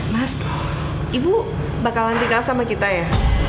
mas ibu bakalan tinggal sama kita ya